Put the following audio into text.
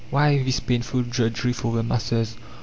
Why this painful drudgery for the masses?